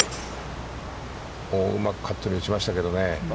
うまくカットに打ちましたけどね。